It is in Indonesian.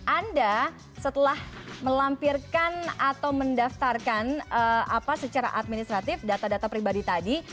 anda setelah melampirkan atau mendaftarkan secara administratif data data pribadi tadi